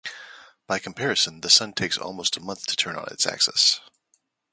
By comparison, the Sun takes almost a month to turn on its axis.